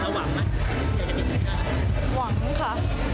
หวังค่ะ